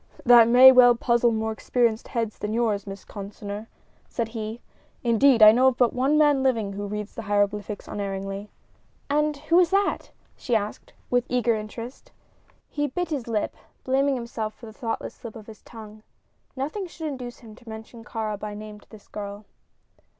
"That may well puzzle more experienced heads than yours, Miss Consinor," said he. "Indeed, I know of but one man living who reads the hieroglyphics unerringly." "And who is that?" she asked, with eager interest. He bit his lip, blaming himself for the thoughtless slip of his tongue. Nothing should induce him to mention Kāra by name to this girl.